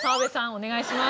お願いします。